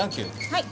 はい。